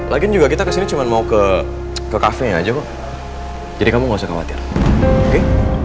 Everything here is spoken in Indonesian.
lagi juga kita kesini cuma mau ke cafe aja kok jadi kamu nggak usah khawatir oke